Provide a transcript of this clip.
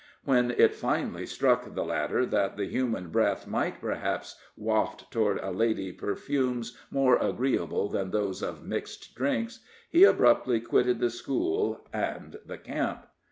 When it finally struck the latter that the human breath might, perhaps, waft toward a lady perfumes more agreeable than those of mixed drinks, he abruptly quitted the school and the camp.